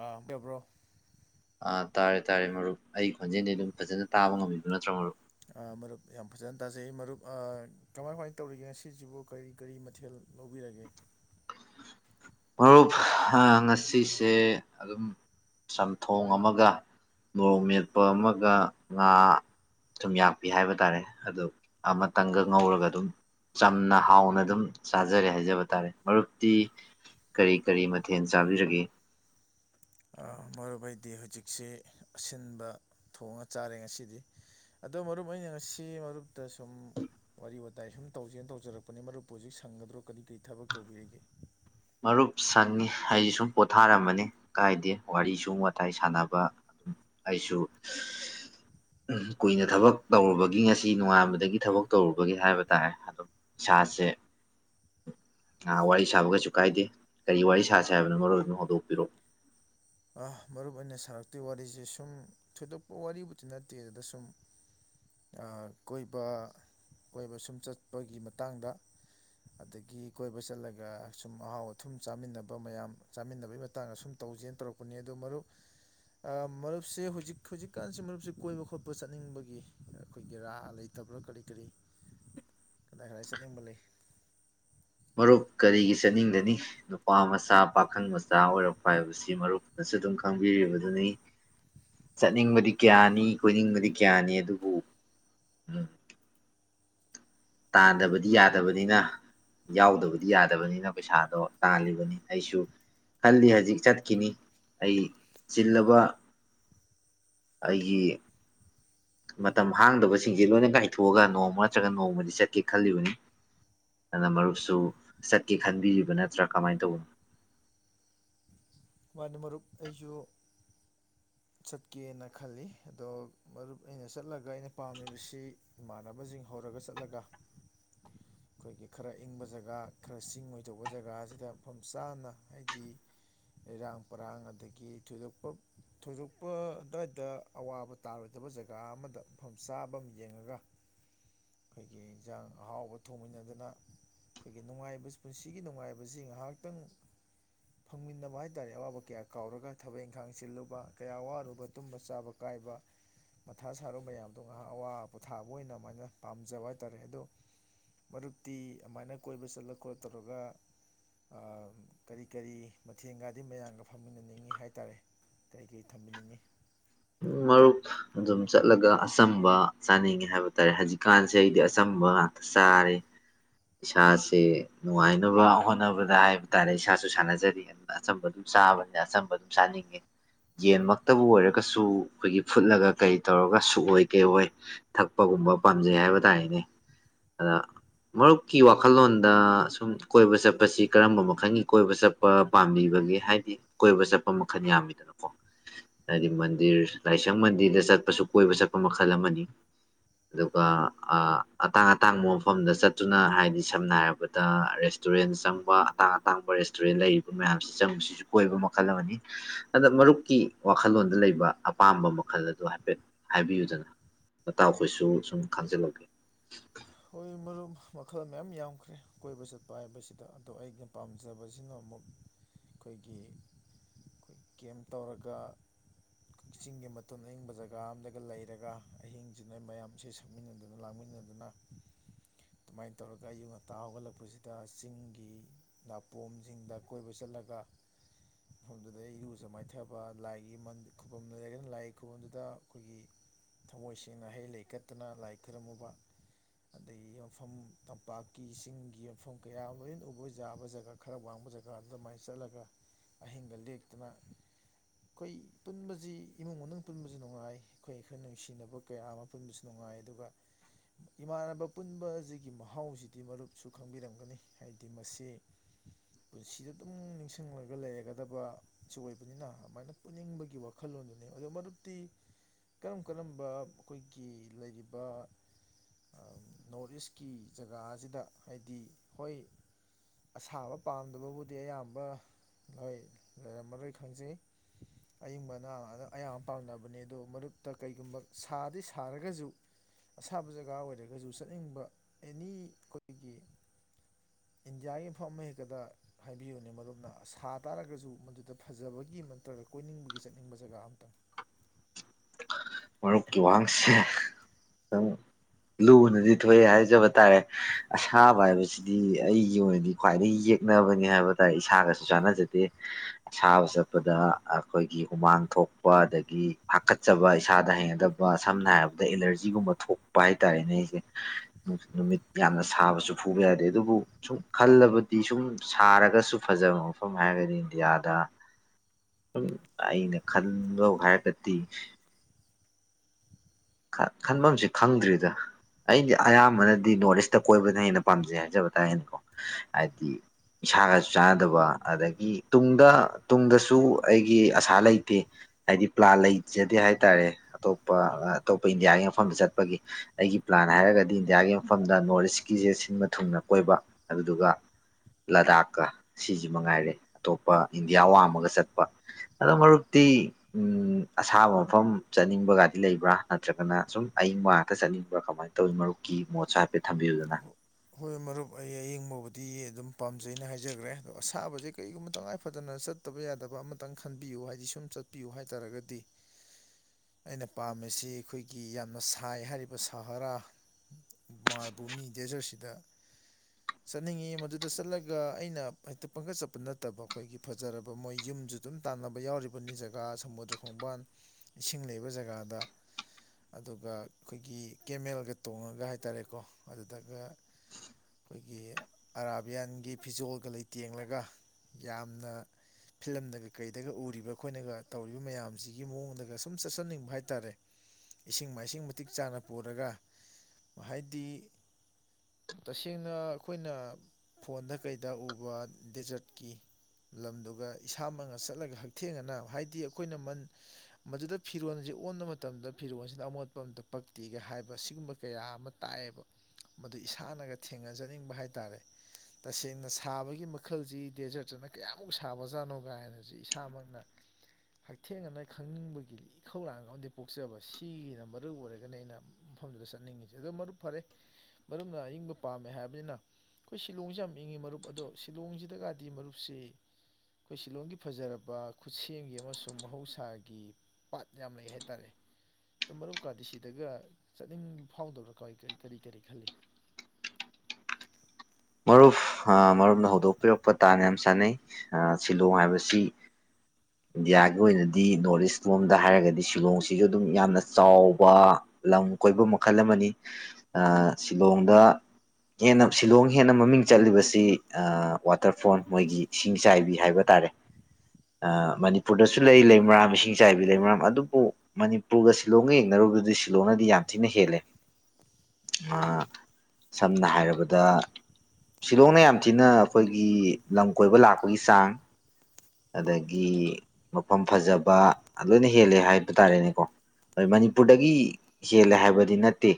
ꯑ ꯕ꯭ꯔꯣ ꯑꯥ ꯇꯥꯔꯦ ꯇꯥꯔꯦ ꯃꯔꯨꯞ ꯑꯩ ꯈꯣꯟꯖꯦꯜꯗꯤ ꯑꯗꯨꯝ ꯐꯖꯅ ꯇꯥꯕ ꯉꯝꯃꯤꯕ ꯅꯠꯇ꯭ꯔꯣ ꯃꯔꯨꯞ ꯃꯔꯨꯞ ꯌꯥꯝ ꯐꯖꯅ ꯇꯥꯖꯩ ꯃꯔꯨꯞ ꯀꯃꯥꯏ ꯀꯃꯥꯏꯅ ꯇꯧꯔꯤꯒꯦ ꯁꯤꯁꯤꯕꯨ ꯀꯔꯤ ꯀꯔꯤ ꯃꯊꯦꯜ ꯂꯧꯕꯤꯔꯒꯦ ꯃꯔꯨꯞ ꯉꯁꯤꯁꯦ ꯑꯗꯨꯝ ꯆꯝꯊꯣꯡ ꯑꯃꯒ ꯃꯣꯔꯣꯡ ꯃꯦꯠꯄ ꯑꯃꯒ ꯉꯥ ꯁꯨꯝ ꯌꯥꯛꯄꯤ ꯍꯥꯏꯕ ꯇꯥꯔꯦ ꯑꯗꯨꯗ ꯑꯃꯇꯪꯒ ꯉꯧꯔꯒ ꯑꯗꯨꯝ ꯆꯝꯅ ꯍꯥꯎꯅ ꯑꯗꯨꯝ ꯆꯥꯖꯔꯦ ꯍꯥꯏꯖꯕ ꯇꯥꯔꯦ ꯃꯔꯨꯞꯇꯤ ꯀꯔꯤ ꯀꯔꯤ ꯃꯊꯦꯜ ꯆꯥꯕꯤꯔꯒꯦ ꯃꯔꯨꯞ ꯑꯩꯗꯤ ꯍꯧꯖꯤꯛꯁꯤ ꯑꯁꯤꯟꯕ ꯊꯣꯡꯉ ꯆꯥꯔꯦ ꯉꯁꯤꯗꯤ ꯑꯗꯣ ꯃꯔꯨꯞ ꯑꯩꯅ ꯉꯁꯤ ꯃꯔꯨꯞꯇ ꯁꯨꯝ ꯋꯥꯔꯤ ꯋꯥꯇꯥꯏ ꯁꯨꯝ ꯇꯧꯁꯦꯅ ꯇꯧꯖꯔꯛꯄꯅꯤ ꯃꯔꯨꯞꯄꯨ ꯍꯧꯖꯤꯛ ꯁꯪꯒꯗ꯭ꯔꯣ ꯀꯔꯤ ꯀꯔꯤ ꯊꯕꯛ ꯇꯧꯕꯤꯔꯤꯒꯦ ꯃꯔꯨꯞ ꯁꯟꯅꯤꯤ ꯑꯩꯁꯦ ꯁꯨꯝ ꯄꯣꯊꯥꯔꯝꯃꯅꯤ ꯀꯥꯏꯗꯦ ꯋꯥꯔꯤꯁꯨ ꯋꯥꯇꯥꯏ ꯁꯥꯟꯅꯕ ꯑꯗꯨꯝ ꯑꯩꯁꯨ ꯀꯨꯏꯅ ꯊꯕꯛ ꯇꯧꯔꯨꯕꯒꯤ ꯉꯁꯤ ꯅꯣꯉꯥꯟꯕꯗꯒꯤ ꯊꯕꯛ ꯇꯧꯔꯨꯕꯒꯤ ꯍꯥꯏꯕ ꯇꯥꯔꯦ ꯑꯗꯨꯝ ꯏꯁꯥꯁꯦ ꯋꯥꯔꯤ ꯁꯥꯕꯒꯁꯨ ꯀꯥꯏꯗꯦ ꯀꯔꯤ ꯋꯥꯔꯤ ꯁꯥꯁꯦ ꯍꯥꯏꯕꯅꯣ ꯃꯔ ꯑꯣꯏꯗꯨꯅ ꯍꯧꯗꯣꯛꯄꯤꯔꯛꯑꯣ ꯑ ꯃꯔꯨꯏ ꯑꯣꯏꯅ ꯁꯥꯔꯛꯇꯣꯏ ꯋꯥꯔꯤꯁꯦ ꯁꯨꯝ ꯊꯣꯏꯗꯣꯛꯄ ꯋꯥꯔꯤꯕꯨꯗꯤ ꯅꯠꯇꯦ ꯑꯗꯨꯗ ꯁꯨꯝ ꯀꯣꯏꯕ ꯀꯣꯏꯕ ꯁꯨꯝ ꯆꯠꯄꯒꯤ ꯃꯇꯥꯡꯗ ꯑꯗꯒꯤ ꯀꯣꯏꯕ ꯆꯠꯂꯒ ꯁꯨꯝ ꯑꯍꯥꯎ ꯑꯊꯨꯝ ꯆꯥꯃꯤꯟꯅꯕ ꯃꯌꯥꯝ ꯆꯥꯃꯤꯟꯅꯕꯩ ꯃꯇꯥꯡꯗ ꯁꯨꯝ ꯇꯧꯖꯦꯅ ꯇꯧꯔꯛꯄ ꯂꯄꯅꯤ ꯑꯗꯣ ꯃꯔꯨꯞ ꯃꯔꯨꯞꯁꯦ ꯍꯧꯖꯤꯛ ꯍꯧꯖꯤꯛꯀꯥꯟꯁꯤꯦ ꯃꯔꯨꯞꯁꯦ ꯀꯣꯏꯕ ꯈꯣꯠꯄ ꯆꯠꯅꯤꯡꯕꯒꯤ ꯑꯩꯈꯣꯏꯒꯤꯦ ꯔꯥ ꯂꯩꯇꯕ꯭ꯔꯥ ꯀꯔꯤ ꯀꯔꯤ ꯀꯗꯥꯏ ꯀꯗꯥꯏ ꯆꯠꯅꯤꯡꯕ ꯂꯩ ꯃꯔꯨꯞ ꯀꯔꯤꯒꯤ ꯆꯠꯅꯤꯡꯒꯅꯤ ꯅꯨꯄꯥ ꯃꯆꯥ ꯄꯥꯈꯪ ꯃꯆꯥ ꯑꯣꯏꯔꯛꯄ ꯍꯥꯏꯕꯁꯤ ꯃꯔꯨꯞꯇꯁꯨ ꯑꯗꯨꯝ ꯈꯪꯕꯤꯔꯤꯕꯗꯨꯅꯤ ꯆꯠꯅꯤꯡꯕꯗꯤ ꯀꯌꯥꯅꯤ ꯀꯣꯏꯅꯤꯡꯕꯗꯤ ꯀꯌꯥꯅꯤ ꯑꯗꯨꯕꯨ ꯎ ꯇꯥꯗꯕꯗꯤ ꯌꯥꯗꯕꯅꯤꯅ ꯌꯥꯎꯗꯕꯗꯤ ꯌꯥꯗꯕꯅꯤꯅ ꯄꯩꯁꯥꯗꯣ ꯇꯥꯜꯂꯤꯕꯅꯤ ꯑꯩꯁꯨ ꯈꯜꯂꯤ ꯍꯧꯖꯤꯛ ꯆꯠꯈꯤꯅꯤ ꯑꯩ ꯆꯤꯜꯂꯕ ꯑꯩꯒꯤ ꯃꯇꯝ ꯍꯥꯡꯗꯕꯁꯤꯡꯁ ꯂꯣꯏꯅ ꯀꯥꯏꯊꯣꯛꯑꯒ ꯅꯣꯡꯃ ꯅꯠꯇ꯭ꯔꯒ ꯅꯣꯡꯃꯗꯤ ꯆꯠꯀꯦ ꯈꯜꯂꯤꯕꯅꯤ ꯑꯗꯨꯅ ꯃꯔꯨꯞꯁꯨ ꯆꯠꯀꯦ ꯈꯟꯕꯤꯔꯤꯕ ꯅꯠꯇ꯭ꯔꯥ ꯀꯃꯥꯏꯅ ꯇꯧꯕꯅꯣ ꯃꯥꯗꯤ ꯃꯔꯨꯞ ꯑꯩꯁꯨ ꯆꯠꯀꯦꯅ ꯈꯜꯂꯤ ꯑꯗꯣ ꯃꯔꯨꯞ ꯑꯩꯅ ꯆꯠꯂꯒ ꯑꯩꯅ ꯄꯥꯝꯃꯤꯕꯁꯤ ꯏꯃꯥꯟꯅꯕꯁꯤꯡ ꯍꯧꯔꯒ ꯆꯠꯂꯒ ꯑꯩꯈꯣꯏꯒꯤ ꯈꯔ ꯏꯪꯕ ꯖꯒꯥ ꯈꯔ ꯆꯤꯡ ꯑꯣꯏꯗꯣꯛꯄ ꯖꯒꯥꯁꯤꯗ ꯃꯐꯝ ꯆꯥꯅ ꯍꯥꯏꯗꯤ ꯂꯩꯔꯥꯡ ꯄꯔꯥꯡ ꯑꯗꯒꯤ ꯊꯣꯏꯗꯣꯛꯄ ꯊꯣꯏꯗꯣꯛꯄ ꯑꯗꯨꯋꯥꯏꯗ ꯑꯋꯥꯕ ꯇꯥꯔꯣꯏꯗꯕ ꯖꯒꯥ ꯑꯃꯗ ꯃꯐꯝ ꯆꯥꯕ ꯑꯃ ꯌꯦꯡꯉꯒ ꯑꯩꯈꯣꯏꯒꯤ ꯏꯟꯁꯥꯡ ꯑꯍꯥꯎꯕ ꯊꯣꯡꯃꯤꯟꯅꯗꯅ ꯑꯩꯈꯣꯏꯒꯤ ꯅꯨꯡꯉꯥꯏ ꯄꯨꯟꯁꯤꯒꯤ ꯅꯨꯡꯉꯥꯏꯕꯁꯤ ꯉꯥꯏꯍꯥꯛꯇꯪ ꯐꯪꯃꯤꯟꯅꯕ ꯍꯥꯏ ꯍꯥꯏꯕ ꯇꯔꯦ ꯑꯋꯥꯕ ꯀꯌꯥ ꯀꯥꯎꯔꯒ ꯊꯕꯛ ꯏꯪꯈꯥꯡ ꯆꯤꯜꯂꯨꯕ ꯀꯌꯥ ꯋꯥꯔꯨꯕ ꯇꯨꯝꯕ ꯆꯥꯕ ꯀꯥꯏꯕ ꯃꯊꯥ ꯁꯥꯔꯨꯕ ꯃꯌꯥꯝꯗꯣ ꯉꯥꯏꯍꯥꯛ ꯑꯋꯥ ꯄꯣꯊꯥꯕ ꯑꯣꯏꯅ ꯑꯗꯨꯃꯥꯏꯅ ꯄꯥꯝꯖꯕ ꯍꯥꯏꯇꯥꯥꯔꯦ ꯑꯗꯣ ꯃꯔꯛꯇꯤ ꯑꯗꯨꯃꯥꯏꯅ ꯀꯣꯏꯕ ꯆꯠꯂ ꯈꯣꯠꯂ ꯇꯧꯔꯒ ꯀꯔꯤ ꯀꯔꯤ ꯃꯊꯦꯡꯒ ꯑꯗꯨ ꯃꯌꯥꯝꯒ ꯐꯝꯃꯤꯟꯅꯅꯤꯡꯏꯤ ꯍꯥꯏꯇꯥꯔꯦ ꯀꯔꯤ ꯀꯔꯤ ꯊꯝꯕꯤꯅꯤꯡꯉꯤ ꯃꯔꯨꯞ ꯑꯗꯨꯝ ꯆꯠꯂꯒ ꯑꯆꯝꯕ ꯆꯥꯅꯤꯡꯉꯦ ꯍꯥꯏꯕ ꯇꯥꯔꯦ ꯍꯧꯖꯤꯛꯀꯥꯟꯁꯦ ꯑꯩꯗꯤ ꯑꯆꯝꯕ ꯉꯥꯛꯇ ꯆꯥꯔꯦ ꯏꯁꯥꯁꯦ ꯅꯨꯡꯉꯥꯏꯅꯕ ꯍꯣꯠꯅꯕꯗ ꯍꯥꯏꯕ ꯇꯥꯔꯦ ꯏꯁꯥꯁꯨ ꯁꯥꯟꯅꯖꯔꯤ ꯑꯗꯨꯅ ꯑꯆꯝꯕ ꯑꯗꯨꯝ ꯆꯥꯕꯅꯤꯅ ꯑꯆꯝꯕ ꯑꯗꯨꯝ ꯆꯥꯅꯤꯡꯉꯦ ꯌꯦꯟꯃꯛꯇꯕꯨ ꯑꯣꯏꯔꯛ ꯀꯩꯁꯨ ꯑꯩꯈꯣꯏꯒꯤ ꯐꯨꯠꯂꯒ ꯀꯔꯤ ꯇꯧꯔꯒ ꯁꯨꯛꯑꯣꯏ ꯀꯩ ꯑꯣꯏ ꯊꯛꯄꯒꯨꯝꯕ ꯄꯥꯝꯖꯩ ꯍꯥꯏꯕ ꯇꯥꯔꯦꯅꯦ ꯑꯗ ꯃꯔꯨꯞꯀꯤ ꯋꯥꯈꯜꯂꯣꯟꯗ ꯁꯨꯝ ꯀꯣꯏꯕ ꯆꯠꯄꯁꯤ ꯀꯔꯝꯕ ꯃꯈꯜꯒꯤ ꯀꯣꯏꯕ ꯆꯠꯄ ꯄꯥꯝꯕꯤꯕꯒꯦ ꯍꯥꯏꯗꯤ ꯀꯣꯏꯕ ꯆꯠꯄ ꯃꯈꯜ ꯌꯥꯝꯃꯤꯗꯅꯀꯣ ꯍꯥꯏꯗꯤ ꯃꯟꯗꯤꯔ ꯂꯥꯏꯁꯪ ꯃꯟꯗꯤꯔꯗ ꯆꯠꯄꯁꯨ ꯀꯣꯏꯕ ꯆꯠꯄ ꯃꯈꯜ ꯑꯃꯅꯤ ꯑꯗꯨꯒ ꯑ ꯑꯇꯥꯡ ꯑꯇꯥꯡꯕ ꯃꯐꯝꯗ ꯆꯠꯇꯨꯅ ꯍꯥꯏꯗꯤ ꯁꯝꯅ ꯍꯥꯏꯔꯕꯗ ꯔꯦꯁꯇꯨꯔꯦꯟ ꯆꯪꯕ ꯑꯇꯥꯡ ꯑꯇꯥꯡꯕ ꯔꯦꯁꯇꯨꯔꯦꯟ ꯂꯩꯔꯤꯕ ꯃꯌꯥꯝꯁꯤ ꯆꯪꯕꯁꯤꯁꯨ ꯀꯣꯏꯕ ꯃꯈꯜ ꯑꯃꯅꯤ ꯑꯗ ꯃꯔꯨꯞꯀꯤ ꯋꯥꯈꯜꯂꯣꯟ ꯗ ꯂꯩꯕ ꯑꯄꯥꯝꯕ ꯃꯈꯜ ꯑꯗꯨ ꯍꯥꯏꯐꯦꯠ ꯍꯥꯏꯕꯤꯌꯨꯗꯅ ꯅꯇꯥꯎ ꯑꯩꯈꯣꯏꯁꯨ ꯁꯨꯝ ꯈꯪꯖꯤꯜꯍꯧꯒꯦ ꯍꯣꯏ ꯃꯔꯨꯞ ꯃꯈꯜ ꯃꯌꯥꯝ ꯌꯥꯝꯈ꯭ꯔꯦ ꯀꯣꯏꯕ ꯆꯠꯄ ꯍꯥꯏꯕꯁꯤꯗ ꯑꯗꯣ ꯑꯩꯅ ꯄꯥꯝꯖꯕꯁꯤꯅ ꯑꯃꯨꯛ ꯑꯩꯈꯣꯏꯒꯤ ꯑꯩꯈꯣꯏ ꯀꯦꯝ ꯇꯧꯔꯒ ꯆꯤꯡꯒꯤ ꯃꯇꯣꯟ ꯑꯏꯤꯡꯕ ꯖꯒꯥ ꯑꯝꯗꯒ ꯂꯩꯔꯒ ꯑꯍꯤꯡꯁꯤꯅꯩ ꯃꯌꯥꯝ ꯏꯁꯩ ꯁꯛꯃꯤꯟꯅꯗꯨꯅ ꯂꯥꯡꯃꯤꯟꯅꯗꯨꯅ ꯑꯗꯨꯃꯥꯏꯅ ꯇꯧꯔꯒ ꯑꯌꯨꯛ ꯉꯟꯇꯥ ꯍꯧꯒꯠꯂꯛꯄꯁꯤꯗ ꯆꯤꯡꯒꯤ ꯅꯥꯄꯣꯝꯁꯤꯡꯗ ꯀꯣꯏꯕ ꯆꯠꯂꯒ ꯃꯐꯝꯗꯨꯗ ꯏꯔꯨꯖ ꯃꯥꯏꯊꯕ ꯂꯥꯏꯒꯤ ꯈꯨꯕꯝꯗ ꯂꯩꯔꯒꯅ ꯂꯥꯏꯒꯤ ꯈꯨꯕꯝꯗꯨꯗ ꯑꯩꯈꯣꯏꯒꯤ ꯊꯝꯃꯣꯏ ꯁꯦꯡꯅ ꯍꯩ ꯂꯩ ꯀꯠꯇꯅ ꯂꯥꯏ ꯈꯨꯔꯝꯃꯨꯕ ꯑꯗꯒꯤ ꯌꯐꯝ ꯇꯝꯄꯥꯛꯀꯤ ꯆꯤꯡ ꯃꯐꯝ ꯀꯌꯥ ꯑꯃ ꯂꯣꯏꯅ ꯎꯕ ꯌꯥꯕ ꯖꯒꯥ ꯈꯔ ꯋꯥꯡꯕ ꯖꯒꯥ ꯑꯗꯨꯃꯥꯏꯅ ꯆꯠꯂꯒ ꯑꯍꯤꯡꯒ ꯂꯦꯛꯇꯅ ꯑꯩꯈꯣꯏ ꯄꯨꯟꯕꯁꯤ ꯏꯃꯨꯡ ꯃꯅꯨꯡ ꯄꯨꯟꯕꯁꯤꯁꯨ ꯅꯨꯡꯉꯥꯏ ꯑꯩꯈꯣꯏ ꯑꯩꯈꯣꯏ ꯅꯨꯡꯁꯤꯅꯕ ꯀꯌꯥ ꯑꯃ ꯄꯨꯟꯕꯁꯨ ꯅꯨꯡꯉꯥꯏ ꯑꯗꯨꯒ ꯏꯃꯥꯟꯅꯕ ꯄꯨꯟꯕꯁꯤꯒꯤ ꯃꯍꯥꯎꯁꯤꯗꯤ ꯃꯔꯨꯞꯁꯨ ꯈꯪꯕꯤꯔꯝꯒꯅꯤ ꯍꯥꯏꯗꯤ ꯃꯁꯤ ꯄꯨꯟꯁꯤꯗ ꯑꯗꯨꯝ ꯅꯤꯡꯁꯤꯡꯂꯒ ꯂꯩꯔꯒꯗꯕꯁꯨ ꯑꯣꯏꯕꯅꯤꯅ ꯑꯗꯨꯃꯥꯏꯅ ꯄꯨꯅꯤꯡꯕꯒꯤ ꯋꯥꯈꯜꯂꯣꯟꯗꯨꯅꯤ ꯑꯗꯨ ꯃꯔꯨꯞꯇꯤ ꯀꯔꯝ ꯀꯔꯝꯕ ꯑꯩꯈꯣꯏꯒꯤ ꯂꯩꯔꯤꯕ ꯅꯣꯔꯠ ꯏꯁꯀꯤ ꯖꯒꯥꯁꯤꯗ ꯍꯥꯏꯗꯤ ꯍꯣꯏ ꯑꯁꯥꯕ ꯄꯥꯝꯗꯕꯕꯨꯗꯤ ꯑꯌꯥꯝꯕ ꯍꯣꯏ ꯂꯩꯔꯝꯃꯔꯣꯏ ꯈꯪꯖꯩ ꯑꯏꯤꯡꯕꯅ ꯑꯌꯥꯝꯕ ꯄꯥꯝꯅꯕꯅꯤ ꯑꯗꯣ ꯃꯔꯨꯞꯛꯇ ꯀꯩꯒꯨꯝꯕ ꯁꯥꯗꯤ ꯁꯥꯔꯒꯁꯨ ꯑꯁꯥꯕ ꯖꯒꯥ ꯑꯣꯏꯔꯒ ꯒꯁꯨ ꯆꯠꯅꯤꯡꯕ ꯑꯦꯅꯤ ꯑꯩꯈꯣꯏꯒꯤ ꯏꯟꯗꯤꯌꯥꯒꯤ ꯃꯐꯝ ꯑꯃ ꯍꯦꯛꯇꯗ ꯍꯥꯏꯕꯤꯌꯨꯅꯦ ꯃꯔꯨꯞꯅ ꯁꯥ ꯇꯥꯔꯒꯁꯨ ꯃꯗꯨꯗ ꯐꯖꯕꯒꯤ ꯅꯠꯇ꯭ꯔꯒ ꯀꯣꯏꯅꯤꯡꯕꯒꯤ ꯆꯠꯅꯤꯡꯕ ꯖꯒꯥ ꯑꯝꯇꯪ ꯃꯔꯨꯞꯀꯤ ꯋꯥꯍꯪꯁꯦ ꯈꯤꯇꯪ ꯂꯨꯅꯗꯤ ꯊꯣꯛꯑꯦ ꯍꯥꯏꯖꯕ ꯇꯥꯔꯦ ꯑꯁꯥꯕ ꯍꯥꯏꯕꯁꯤꯗꯤ ꯑꯩꯒꯤ ꯑꯣꯏꯅꯗꯤ ꯈ꯭ꯋꯥꯏꯗꯒꯤ ꯌꯦꯛꯅꯕꯅꯤ ꯍꯥꯏꯕ ꯇꯥꯔꯦ ꯏꯁꯥꯒꯁꯨ ꯆꯥꯟꯅꯖꯗꯦ ꯑꯁꯥꯕ ꯆꯠꯄꯗ ꯑꯩꯈꯣꯏꯒꯤ ꯍꯨꯃꯥꯡ ꯊꯣꯛꯄ ꯑꯗꯒꯤ ꯍꯥꯀꯠꯆꯕ ꯏꯁꯥꯗ ꯍꯩꯅꯗꯕ ꯁꯝꯅ ꯍꯥꯏꯔꯕꯗ ꯑꯦꯂꯔꯖꯤꯒꯨꯝꯕ ꯊꯣꯛꯄ ꯍꯥꯏꯇꯥꯔꯦꯅꯦ ꯑꯩꯁꯦ ꯅꯨꯃꯤꯠ ꯌꯥꯝꯅ ꯁꯥꯕꯁꯨ ꯐꯨꯕ ꯌꯥꯗꯦ ꯑꯗꯨꯕꯨ ꯁꯨꯝ ꯈꯜꯂꯕꯗꯤ ꯁꯨꯝ ꯁꯥꯔꯒꯁꯨ ꯐꯖꯕ ꯃꯐꯝ ꯍꯥꯏꯔꯒꯗꯤ ꯏꯟꯗꯤꯌꯥꯗ ꯁꯨꯝ ꯑꯩꯅ ꯈꯟꯕ ꯍꯥꯏꯔꯒꯗꯤ [unintelligible] ꯈꯟꯐꯝꯁꯤ ꯈꯪꯗ꯭ꯔꯤꯗ ꯑꯩꯗꯤ ꯑꯌꯥꯝꯕꯅꯗꯤ ꯅꯣꯔꯠ ꯏꯁꯇ ꯀꯣꯏꯕꯅ ꯍꯦꯟꯅ ꯄꯥꯝꯖꯩ ꯍꯥꯏꯖꯕ ꯇꯥꯔꯦꯅꯦꯀꯣ ꯍꯥꯏꯗꯤ ꯏꯁꯥꯒꯁꯨ ꯆꯥꯟꯅꯗꯕ ꯑꯗꯒꯤ ꯇꯨꯡꯗ ꯇꯨꯡꯗꯁꯨ ꯑꯩꯒꯤ ꯑꯁꯥ ꯂꯩꯇꯦ ꯍꯥꯏꯗꯤ ꯄ꯭ꯂꯥ ꯂꯩꯖꯗꯦ ꯍꯥꯏ ꯇꯥꯔꯦ ꯑꯇꯣꯞꯄ ꯑꯇꯣꯞꯄ ꯏꯟꯗꯤꯌꯥꯒꯤ ꯃꯐꯝꯗ ꯆꯠꯄꯒꯤ ꯑꯩꯒꯤ ꯄ꯭ꯂꯥꯟ ꯍꯥꯏꯔꯒꯗꯤ ꯏꯟꯗꯤꯌꯥꯒꯤ ꯃꯐꯝꯗ ꯅꯣꯔꯠ ꯏꯁꯀꯤꯁꯦ ꯁꯤꯟꯕ ꯊꯨꯡꯅ ꯀꯣꯏꯕ ꯑꯗꯨꯗꯨꯒ ꯂꯗꯥꯛꯀ ꯁꯤꯁꯤ ꯃꯉꯥꯏꯔꯦ ꯑꯇꯣꯞꯄ ꯏꯟꯗꯤꯌꯥ ꯋꯥꯡꯃꯒ ꯆꯠꯄ ꯑꯗꯣ ꯃꯔꯨꯞꯇꯤ ꯑꯁꯥꯕ ꯃꯐꯝ ꯆꯠꯅꯤꯡꯕꯒꯗꯤ ꯂꯩꯕ꯭ꯔꯥ ꯅꯠꯇ꯭ꯔꯒꯅ ꯁꯨꯝ ꯑꯌꯤꯡꯕ ꯉꯥꯛꯇ ꯆꯠꯅꯤꯡꯕ꯭ꯔꯥ ꯀꯃꯥꯏꯅ ꯇꯧꯋꯤ ꯃꯔꯨꯞꯀꯤ ꯃꯣꯠꯁꯨ ꯍꯥꯏ ꯍꯣꯏ ꯃꯔꯨꯞ ꯑꯩ ꯑꯌꯤꯡꯕꯕꯨꯗꯤ ꯗꯤ ꯑꯗꯨꯝ ꯄꯥꯝꯖꯩꯅ ꯍꯥꯏꯖꯈ꯭ꯔꯦ ꯑꯗꯣ ꯑꯁꯥꯕꯁꯦ ꯀꯩꯒꯨꯝꯕ ꯇꯉꯥꯏꯐꯗꯅ ꯆꯠꯇꯕ ꯌꯥꯗꯕ ꯑꯃꯇꯪ ꯈꯟꯕꯤꯌꯨ ꯍꯥꯏꯗꯤ ꯁꯨꯝ ꯆꯠꯄꯤꯌꯨ ꯍꯥꯏꯇꯥꯥꯔꯒꯗꯤ ꯑꯩꯅ ꯄꯥꯝꯃꯤꯁꯤ ꯑꯩꯈꯣꯏꯒꯤ ꯌꯥꯝꯅ ꯁꯥꯏ ꯍꯥꯏꯔꯤꯕ ꯁꯍꯔꯥ ꯃꯥꯔ ꯚꯨꯃꯤ ꯗꯦꯖꯔꯠꯁꯤꯗ ꯆꯠꯅꯤꯡꯉꯤ ꯃꯗꯨꯗ ꯆꯠꯂꯒ ꯑꯩꯅ ꯍꯦꯛꯇ ꯄꯪꯀꯠ ꯆꯠꯄ ꯅꯠꯇꯕ ꯑꯩꯈꯣꯏꯒꯤ ꯐꯖꯔꯕ ꯃꯣꯏ ꯌꯨꯝꯁꯨ ꯑꯗꯨꯝ ꯇꯥꯟꯅꯕ ꯌꯥꯎꯔꯤꯕꯅꯤ ꯖꯒꯥ ꯁꯃꯨꯗ꯭ꯔ ꯈꯣꯡꯕꯥꯟ ꯏꯁꯤꯡ ꯂꯩꯕ ꯖꯒꯥꯗ ꯑꯗꯨꯒ ꯑꯩꯈꯣꯏꯒꯤ ꯀꯦꯃꯦꯜꯒ ꯇꯣꯡꯉꯒ ꯍꯥꯏꯇꯥꯔꯦꯀꯣ ꯑꯗꯨꯗꯒ ꯑꯩꯈꯣꯏꯒꯤ ꯑꯔꯥꯕꯤꯌꯥꯟꯒꯤ ꯐꯤꯖꯣꯜꯒ ꯂꯩꯇꯦꯡꯂꯒ ꯌꯥꯝꯅ ꯐꯤꯂꯝꯗ ꯀꯩ ꯀꯩꯗꯒ ꯎꯔꯤꯕ ꯑꯩꯈꯣꯏꯅꯒ ꯇꯧꯔꯤꯕ ꯃꯌꯥꯝꯁꯤꯒꯤ ꯃꯑꯣꯡꯗꯒ ꯁꯨꯝ ꯆꯠꯆꯟꯅꯤꯡꯕ ꯍꯥꯏꯇꯥꯔꯦ ꯏꯁꯤꯡ ꯃꯥꯏꯁꯤꯡ ꯃꯇꯤꯛ ꯆꯥꯅ ꯄꯨꯔꯒ ꯍꯥꯏꯗꯤ ꯇꯁꯦꯡꯅ ꯑꯩꯈꯣꯏꯅ ꯐꯣꯟꯗ ꯀꯩꯗ ꯎꯕ ꯗꯦꯖꯔꯠꯀꯤ ꯂꯝꯗꯨꯒ ꯏꯁꯥꯃꯛꯅ ꯆꯠꯂꯒ ꯍꯛꯊꯦꯡꯅꯅ ꯍꯥꯏꯗꯤ ꯑꯩꯈꯣꯏꯅ ꯃꯗꯨꯗ ꯐꯤꯔꯣꯜꯁꯦ ꯑꯣꯟꯕ ꯃꯇꯝꯗ ꯐꯤꯔꯣꯜꯁꯤꯅ ꯑꯃꯣꯠꯄ ꯑꯃꯝꯇ ꯄꯛꯇꯦꯒ ꯍꯥꯏꯕ ꯁꯤꯒꯨꯝꯕ ꯀꯌꯥ ꯑꯃ ꯇꯥꯏꯌꯦꯕ ꯃꯗꯨ ꯏꯁꯥꯅꯒ ꯊꯦꯡꯅꯖꯅꯤꯡꯕ ꯍꯥꯏ ꯇꯥꯔꯦ ꯇꯁꯦꯡꯅ ꯁꯥꯕꯒꯤ ꯃꯈꯜꯁꯤ ꯗꯦꯖꯔꯠꯇꯨꯅ ꯀꯌꯥꯃꯨꯛ ꯁꯥꯕꯖꯥꯠꯅꯣ ꯀꯥꯏꯅꯁꯤ ꯏꯁꯥꯃꯛꯅ ꯍꯛꯊꯦꯡꯅꯅ ꯈꯪꯅꯤꯡꯕꯒꯤ ꯏꯈꯧꯔꯥꯡ ꯑꯃꯗꯤ ꯄꯣꯛꯆꯕ ꯁꯤꯒꯤꯅ ꯃꯔꯨ ꯑꯣꯏꯔꯒꯅ ꯑꯩꯅ ꯃꯐꯝꯗꯨꯗ ꯆꯠꯅꯤꯡꯉꯤꯁꯦ ꯑꯗꯨ ꯃꯔꯨꯞ ꯐꯔꯦ ꯃꯔꯨꯞꯅ ꯑꯏꯪꯕ ꯄꯥꯝꯃꯦ ꯍꯥꯏꯕꯅꯤꯅ ꯑꯩꯈꯣꯏ ꯁꯤꯂꯣꯡꯁꯦ ꯌꯥꯝ ꯏꯪꯉꯤ ꯃꯔꯨꯞ ꯑꯗꯣ ꯁꯤꯂꯣꯡꯁꯤꯗꯒꯗꯤ ꯃꯔꯨꯞꯁꯤ ꯑꯩꯈꯣꯏ ꯁꯤꯂꯣꯡꯒꯤ ꯐꯖꯔꯕ ꯈꯨꯠꯁꯦꯝꯒꯤ ꯑꯃꯁꯨꯡ ꯃꯍꯧꯁꯥꯒꯤ ꯄꯥꯠ ꯌꯥꯝ ꯂꯩ ꯍꯥꯏ ꯇꯥꯔꯦ ꯑ ꯃꯔꯨꯞꯀꯥꯗꯤ ꯁꯤꯗꯒ ꯆꯠꯅꯤꯡꯕ ꯐꯥꯎꯗꯕ꯭ꯔꯥ ꯀꯃꯥꯏ ꯀꯔꯤ ꯀꯔꯤ ꯈꯜꯂꯤ ꯃꯔꯨꯞ ꯃꯔꯨꯞꯅ ꯍꯧꯗꯣꯛꯄꯤꯔꯛꯄ ꯇꯥꯅ ꯌꯥꯝ ꯁꯥꯟꯅꯩ ꯁꯤꯂꯣꯡ ꯍꯥꯏꯕꯁꯤ ꯏꯟꯗꯤꯌꯥꯒꯤ ꯑꯣꯏꯅꯗꯤ ꯅꯣꯔꯠ ꯏꯁ ꯂꯣꯝꯗ ꯍꯥꯏꯔꯒꯗꯤ ꯁꯤꯂꯣꯡꯁꯤꯁꯨ ꯑꯗꯨꯝ ꯌꯥꯝꯅ ꯆꯥꯎꯕ ꯂꯝ ꯀꯣꯏꯕꯝ ꯃꯈꯜ ꯑꯃꯅꯤ ꯁꯤꯂꯣꯡꯗ ꯍꯦꯟꯅ ꯁꯤꯂꯣꯡ ꯍꯦꯟꯅ ꯃꯃꯤꯡ ꯆꯠꯂꯤꯕꯁꯤ ꯑ ꯋꯥꯇꯔꯐꯣꯟ ꯃꯣꯏꯒꯤ ꯏꯁꯤꯡ ꯆꯥꯏꯕꯤ ꯍꯥꯏꯕ ꯇꯥꯔꯦ ꯑ ꯃꯅꯤꯄꯨꯔꯗꯁꯨ ꯂꯩ ꯂꯩꯃꯔꯥꯝ ꯏꯁꯤꯡ ꯆꯥꯏꯕꯤ ꯂꯩꯃꯔꯥꯝ ꯑꯗꯨꯕꯨ ꯃꯅꯤꯄꯨꯔꯒ ꯁꯤꯂꯣꯡꯒ ꯌꯦꯡꯅꯔꯨꯕꯗꯗꯤ ꯁꯤꯂꯣꯡꯅ ꯌꯥꯝ ꯊꯤꯅ ꯍꯦꯜꯂꯦ ꯑ ꯁꯝꯅ ꯍꯥꯏꯔꯕꯗ ꯁꯤꯂꯣꯡꯅ ꯌꯥꯝ ꯊꯤꯅ ꯑꯩꯈꯣꯏꯒꯤ ꯂꯝ ꯀꯣꯏꯕ ꯂꯥꯛꯄꯒꯤ ꯆꯥꯡ ꯑꯗꯒꯤ ꯃꯐꯝ ꯐꯖꯕ ꯂꯣꯏꯅ ꯍꯦꯜꯂꯦ ꯍꯥꯏꯕ ꯇꯥꯔꯦꯅꯦꯀꯣ ꯑꯍꯣꯏ ꯃꯅꯤꯄꯨꯔꯗꯒꯤ ꯍꯦꯜꯂꯦ ꯍꯥꯏꯕꯗꯤ ꯅꯠꯇꯦ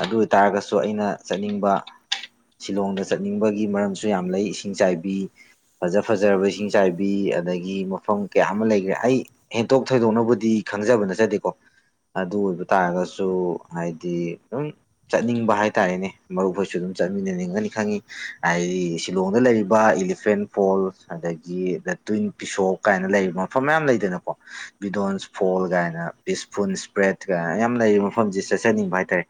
ꯑꯗꯨ ꯑꯣꯏ ꯇꯥꯔꯒꯁꯨ ꯑꯩꯅ ꯆꯠꯅꯤꯡꯕ ꯁꯤꯂꯣꯡꯗ ꯆꯠꯅꯤꯡꯕꯒꯤ ꯃꯔꯝꯁꯨ ꯌꯥꯝ ꯂꯩ ꯏꯁꯤꯡꯆꯥꯏꯕꯤ ꯐꯖ ꯐꯖꯔꯕ ꯏꯁꯤꯡꯆꯥꯏꯕꯤ ꯑꯗꯒꯤ ꯃꯐꯝ ꯀꯌꯥ ꯑꯃ ꯂꯩꯈ꯭ꯔꯦ ꯑꯩ ꯍꯦꯟꯇꯣꯛ ꯊꯣꯏꯗꯣꯛꯅꯕꯨꯗꯤ ꯈꯪꯖꯕ ꯅꯠꯆꯗꯦꯀꯣ ꯑꯗꯨ ꯑꯣꯏꯕ ꯇꯥꯔꯒꯁꯨ ꯍꯥꯏꯗꯤ ꯑꯗꯨꯝ ꯆꯠꯅꯤꯡꯕ ꯍꯥꯏ ꯇꯥꯔꯦꯅꯦ ꯃꯔꯨꯞꯈꯣꯏꯁꯨ ꯑꯗꯨꯝ ꯆꯠꯃꯤꯟꯅꯅꯤꯡꯉꯅꯤ ꯈꯪꯉꯤ ꯍꯥꯏꯗꯤ ꯁꯤꯂꯣꯡꯗ ꯂꯩꯔꯤꯕ ꯏꯂꯤꯐꯦꯟ ꯐꯣꯜ ꯑꯗꯒꯤ ꯗ ꯇ꯭ꯋꯤꯟ ꯄꯤꯁꯣꯛ ꯀꯥꯏꯅ ꯂꯩꯔꯤꯕ ꯃꯐꯝ ꯃꯌꯥꯝ ꯂꯩꯗꯅꯀꯣ ꯕꯤꯗꯣꯟꯁ ꯐꯣꯜ ꯀꯥꯏꯅ ꯄꯤꯁꯄꯨꯟ ꯁꯄ꯭ꯔꯦꯠ ꯀꯥꯏꯅ ꯃꯌꯥꯝ ꯂꯩꯔꯤꯕ ꯃꯐꯝꯁꯤ ꯆꯠꯆꯅꯤꯡꯕ ꯍꯥꯏꯇꯥꯔꯦ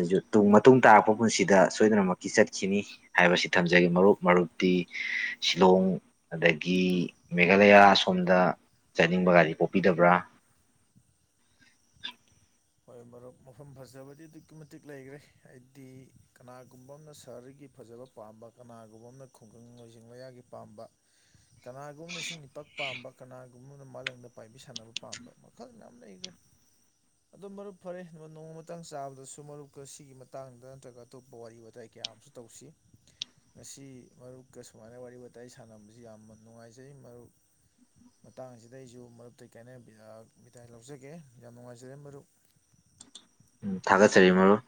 ꯑꯗꯨꯁꯨ ꯃꯇꯨꯡ ꯇꯥꯔꯛꯄ ꯄꯨꯟꯁꯤꯗ ꯁꯣꯏꯗꯅꯃꯛꯀꯤ ꯆꯠꯈꯤꯅꯤ ꯍꯥꯏꯕꯁꯤ ꯊꯝꯖꯒꯦ ꯃꯔꯨꯞ ꯃꯔꯨꯞꯇꯤ ꯁꯤꯂꯣꯡ ꯑꯗꯒꯤ ꯃꯦꯘꯥꯂꯌꯥ ꯑꯁꯣꯝꯗ ꯆꯠꯅꯤꯡꯕ ꯒꯥꯔꯤ ꯄꯣꯛꯄꯤꯗꯕ꯭ꯔꯥ ꯍꯣꯏ ꯃꯔꯨꯞ ꯃꯐꯝ ꯐꯖꯕꯗꯤ ꯑꯗꯨꯛꯀꯤ ꯃꯇꯤꯛ ꯂꯩꯈ꯭ꯔꯦ ꯍꯥꯏꯗꯤ ꯀꯅꯥꯒꯨꯝꯕ ꯑꯃꯅ ꯁꯍꯔꯒꯤ ꯐꯖꯕ ꯄꯥꯝꯕ ꯀꯅꯥꯒꯨꯝꯕ ꯑꯃꯅ ꯈꯨꯡꯒꯪ ꯂꯣꯏꯖꯤꯡ ꯂꯌꯥꯒꯤ ꯄꯥꯝꯕ ꯀꯅꯥꯒꯨꯝꯕꯅ ꯏꯁꯤꯡ ꯒꯤ ꯏꯄꯥꯛꯛ ꯄꯥꯝꯕ ꯀꯅꯥꯒꯨꯝꯕ ꯑꯃꯅ ꯃꯥꯂꯪꯗ ꯄꯥꯏꯕꯤ ꯁꯥꯟꯅꯕ ꯄꯥꯝꯕ ꯃꯈꯜ ꯌꯥꯝ ꯂꯩꯈ꯭ꯔꯦ ꯑꯗꯨꯝ ꯃꯔꯨꯞ ꯐꯔꯦ ꯅꯣꯡꯃ ꯃꯇꯥꯡ ꯆꯥꯕꯗꯁꯨ ꯃꯔꯨꯞꯀ ꯁꯤꯒꯤ ꯃꯇꯥꯡꯗ ꯅꯠꯇ꯭ꯔꯒ ꯑꯇꯣꯞꯄ ꯋꯥꯔꯤ ꯋꯥꯇꯥꯏ ꯀꯌꯥ ꯑꯃꯁꯨ ꯇꯧꯁꯤ ꯉꯁꯤ ꯃꯔꯨꯞꯀ ꯁꯨꯃꯥꯏꯅ ꯋꯥꯔꯤ ꯋꯥꯇꯥꯏ ꯁꯥꯟꯅꯕꯁꯤ ꯌꯥꯝꯅ ꯅꯨꯡꯉꯥꯏꯖꯩ ꯃꯔꯨꯞ ꯃꯇꯥꯡꯁꯤꯗ ꯑꯩꯁꯨ ꯃꯔꯨꯞꯇ ꯀꯥꯏꯅ ꯃꯤꯇꯥꯏ ꯂꯧꯖꯒꯦ ꯌꯥꯝ ꯅꯨꯡꯉꯥꯏꯖꯔꯦ ꯃꯔꯨꯞ ꯎꯝ ꯊꯥꯒꯠ ꯆꯔꯤ ꯃꯔꯨꯞ